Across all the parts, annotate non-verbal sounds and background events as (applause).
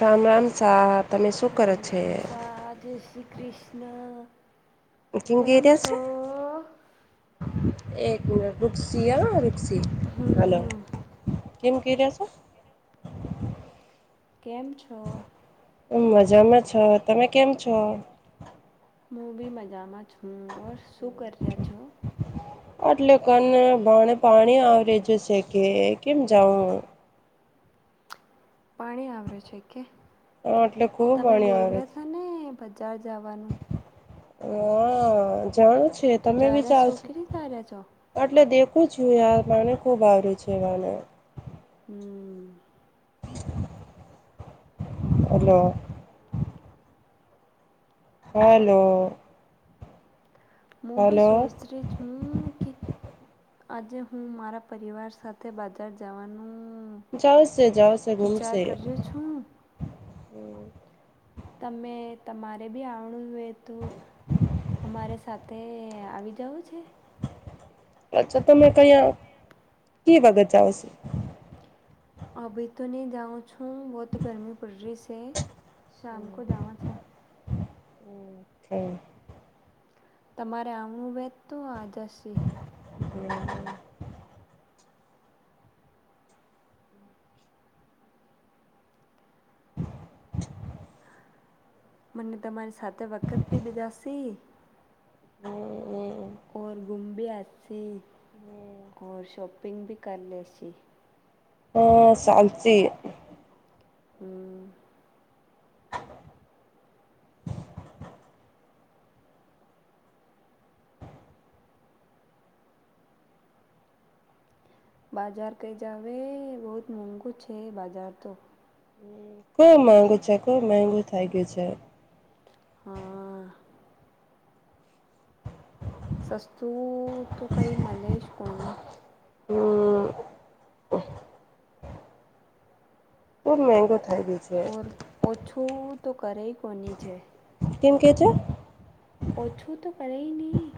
રામ રામ શાહ તમે શું કરો છે? કૃષ્ણ કેમ છો? એક રુકસી રુસી હલો કેમ ક રહ્યા છો? કેમ છો? મજામાં છો તમે કેમ છો? હું બી મજામાં છું ઓર શું કર રહ્યા છો? એટલે કને ભણે પાણી આવરીજું છે કે કેમ જાઉં. પાણી આવરે છે કે- હા એટલે ખુબ પાણી આવે છે. બચાર જવાનું હા જાણું છે તમે બી ચાલછો એટલે દેખ ક છું આ મા ખૂબ આવર્યું છેવાના હમ્મ (inaudible) હલો હલો હું બી સોચતી રહી છું કી આજે હું મારા પરિવાર સાથે બજાર જવાનું જાઓશે જાઓસશે ઘૂમશે તમે તમારે બી આવણુંય તું અમારે સાથ તે આવી જવું છે. અચ્છા તમે કયા કે વગત જાાવ છો? અભી તો નહી જાઉં છું બોત તો ગરમી પડ રહી છે. શામ કો જાવા થ હમ્મ છ તમારે આવનુ વે તો આ જસી. (inaudible) (inaudible) મને તમારી સાથે વખત ભી બિદાશે અને ઔર ગુંબે હાસી ઓર શોપ કપિંગ બી કરી લેસી હ સાલ શે હમ્મ બાજાર કઈ જાવે બોત જ મોંઘુ છે બાજાર તો. હ કોઈ મેંગું છે કો માગું થઇ ગયું છે. હા. સસ્તું તો કઈ મળે જ કોઈ ન હમ્મ બહ મંગા ઓર ઓછું તો કરે કોની છે કેમ કે છે ઓછું તો કરાય નહી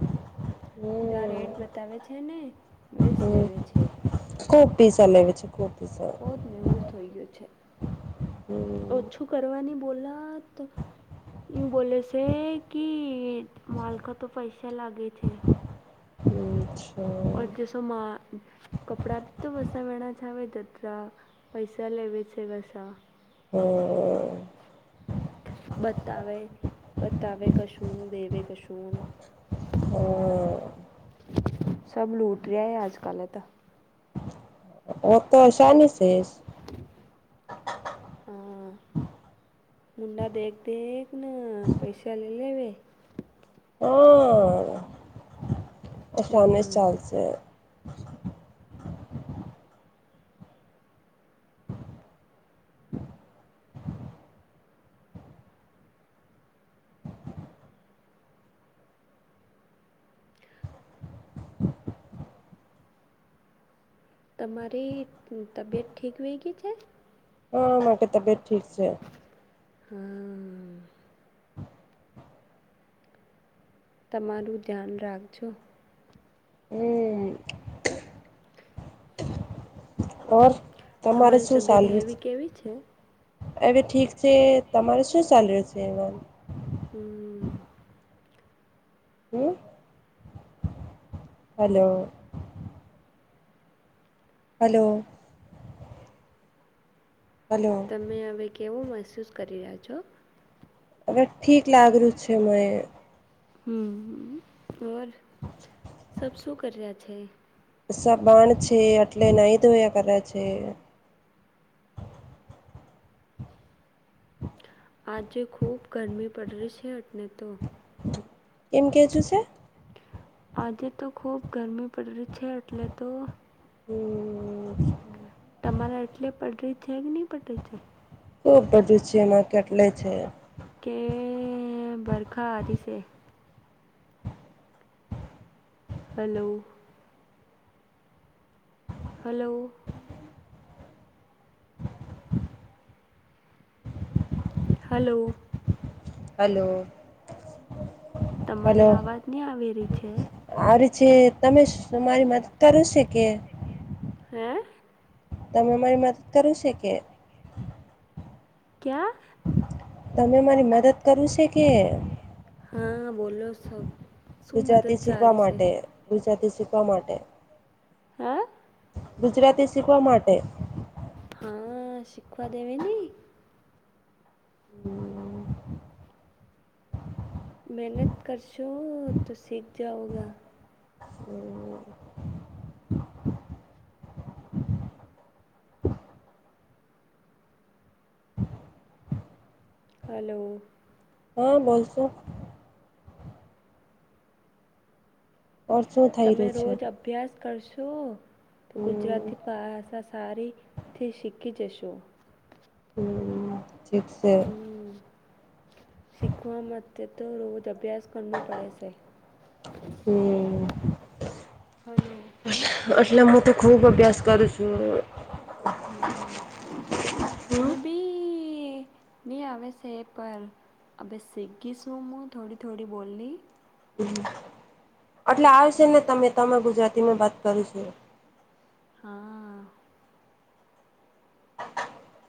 જ ર એડ બતાવે છે ને બેસ લેવે છે પીઝલેચ બહ જ મેંગુ થઈ ગયું છે ઓછું કરવાની બોલત બોલે સે કી કે માલખા તો પૈસા લાગે છે હચ ઓર જસો મામાં કપડા તો વસાાવેણા જ આવે તત્ર પૈસા લેવે છે વસા હ બતાવે બતાવે કશૂ દેવે કશૂન હ સબ લૂંટ રહે અજકાલ તો ઓ તો શની છે (inaudible) મુુંડા દેખ દેખ ના પૈસા લે લેવે હા સામે જ ચાલશે બસ તમારી તબિયત ઠીક વહી ગઈ છે હ તબિયત ઠી છે હમ તમારું ધ્યાન રાખજો હમ ઓર તમારી તબિયત હેવી કેવી છે હવે ઠીક છે તમારે શું ચાલ રહે છે એ વા હમ હમ હલો હલો તમે હવે કેવો મહેસૂસ કરી રહ્યા છો અગર ઠીક લાગ ર્યું છે મે હમર સબ શું કર્યા છે સાબાણ છે એટલે નહી ધોયા કરે છે આજે ખૂબ ગરમી પડ ર છે એટને તો એમ કજું છે આજે તો ખૂબ ગરમી પડી ર છે એટલે તો હમ તમારા એટલે પટરી છે કે નહી પટરી છે ખુબ બધું છે એમાં કેટલે છે કે બરખા આ રહી છે હલો હલો હલો હલો તમારી આવાજ નહીં આવે ર છે જે તમેરી મદદ કરો છે કે હે તમે મારી મદદ કરું છે કે ક્યા? તમે મને મદદ કરું છે કે હા બોલો સબ. ગુજરાતી શીખવા માટે ગુજરાતી શીખવા માટે. અ ગુજરાતી શીખવા માટે. હા શીખવા દેવી ની. હમ (unintelligible) મેહનત કરશો તો સીખ જાઓગા. હમ (unintelligible) હાલો હા બોલશો તમે રોજ અભ્યાસ કરશો? છો (unintelligible) તો ગુજરાતી ભાષા સારીથી શીખી જશો. હમ. હમ શીખવા માટે તો રોજ અભ્યાસ કરનું પડે શે. એટલે મું તો ખૂબ અભ્યાસ કરું છું. હમ મને બી. નં (unintelligible) ને આવે શે પર આપડે સીગીશું મું થોડી થોડી બોલી? એટલે આવશે ને તમે તમે ગુજરાતીમાં વાત કરી શો. હા. (inaudible)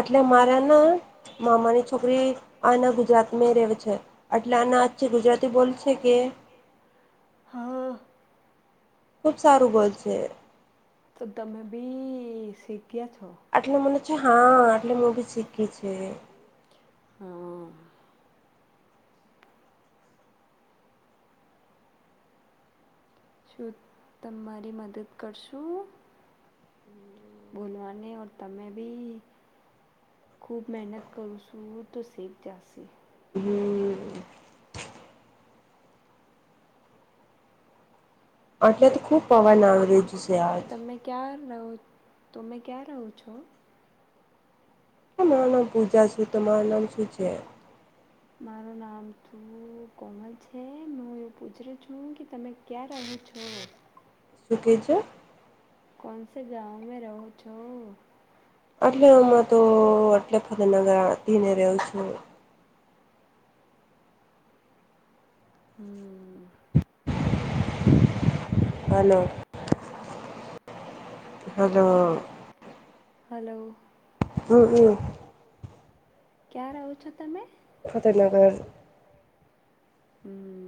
એટલે મારા ના મામાની છોકરી આના ગુજરાતમાં રેવે છે એટલે આના ગુજરાતી બોલ છે કે હ (inaudible) હા. ખુબ સારું ગોલ છે. તો તમે બી શીખ્યા છો. હા એટલે મું બી શીખી છે. હા. શું તમારી મદદ કરશું? બોલવાની ઓર તમે બી ખૂબ મહેનત કરું શું તો શીખ જાસી. એટલે તો ખુબ પવન આવી રહી છે. તમે ક્યાં રહો તમે ક્યાં રહો છો? માર નામ પૂજા છે. તમારું નામ શું છે? મારું નામ તું કોમલ છે હું મું એવું પૂછી રહી છું કે તમે ક્યા રહો? (inaudible) શું કે છે? કોનસે ગાવ મે રહો છો? એટલે આમાં તો એટલે ફતનગરથીી (unintelligible) ને રવ છું. હમ્ હાલો હલો હલો હમ હમ ક્યાં રહો છો તમે? ફતેનગર. હમ્મ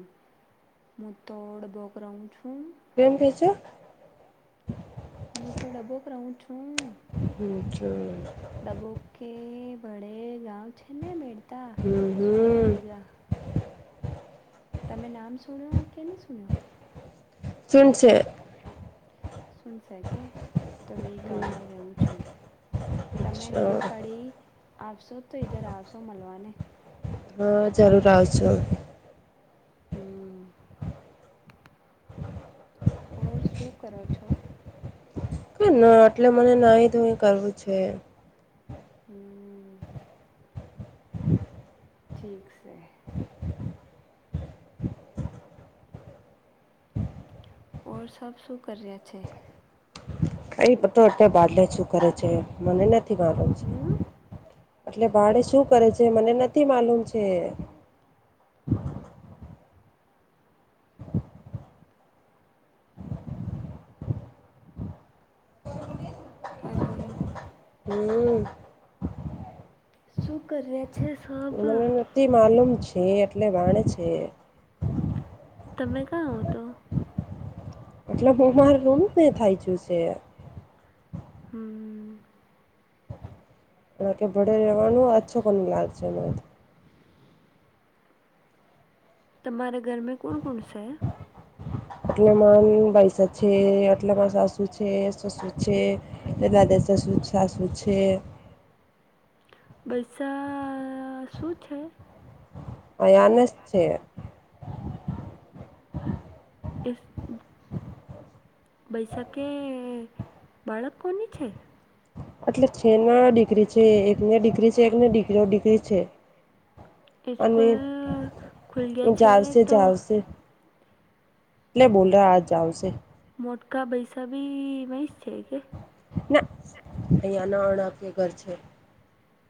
મુું તોડ બો ગરમ છું. કેમ પી છે હું તો ડ્બો કરાઉ છું (inaudible) દબોકે બડે ગાવ છેલ્ને બેડ હમ્મ હમ્મ તમે નામ સુણ્યો કે નહી સુન્યો? શુન શે શુનશે કે તો વી ગામમાં રહું છું, તમે ડબો કાઢી આપશો તો ઇધર આપશો મલવાને હા જરૂર આવશુ હમ્મ ઓર શું કરો છો? કઇ ના એટલે મને નાઇ તો કરવું છે હમ્મ ઠીક શે ઓર સબ શું કર્યા છે? કઈ પતો અત્યારે બાદલે શું કરે છે, મને નથી (unintelligible) એટલે ભાડે શું કરે છે, મને નથી માલુમ છે. (inaudible) અલે હમ્મ શું કર્યા? મને નથી માલુમ છે, એટલે વાણે છે તમે કા આવતો મટલબ (unintelligible) થાય જું છે હમ્મ એ કે ભાડે રેવાનું અચ્છો કોને લાગ છે એમાંથી તમારે ઘર મે કુણ કુણ છે? આટલા મા આમ (unintelligible) છે આટલા મા સાસુ છે સસુ છે એ દાદા સસું છાસું છે ભૈસા શું છે? અયાનશ છે ઇફ ભૈસા કે બાળક કોની છે? એટલે છે ના ડિકરી છે એક ને ડિકરી છે એકને ડિકરા ડિકરી છે. ઇસ્કૂલ ખુલ્યા છે તો એટલે બોન્ડા આજ જ આવશે મોટકા ભાઈસા ભી વહીં છે કે? ના અહી ન અણખ્ય ઘર છે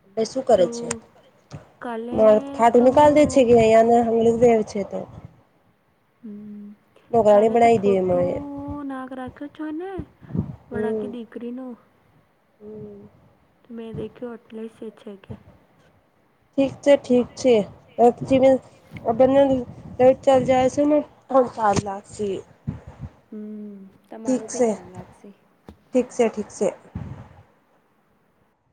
એટલે શું કરે છે મા ખાટું નકાાલ દે છે કે અહિયાયા (unintelligible) તો હમ્મ કાલે તો ફોટું નાક રાખ્યો છોને મણા કે દીકરીનું હમ્મ તોમે દેખ્યો અટલે સે છે કે ઠીક છે ઠીક છે (unintelligible) જાય છે ને (unintelligible) લાગશે હમ્મ તમારું ભી ધ્યાન રાખશે